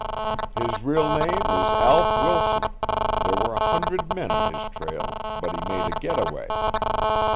His real name is Alf Wilson there were a hundred men on his trail, but he made a getaway."